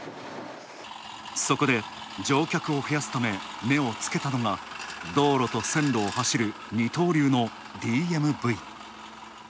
そこで乗客を増やすため目をつけたのが道路と線路を走る二刀流のＤＭＶ。